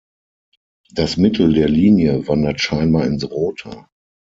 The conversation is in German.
Das Mittel der Linie wandert scheinbar ins Rote.